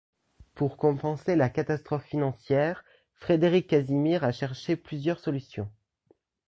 Pour compenser la catastrophe financière Frédéric Casimir a cherché plusieurs solutions.